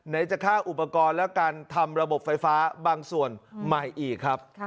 จะค่าอุปกรณ์และการทำระบบไฟฟ้าบางส่วนใหม่อีกครับ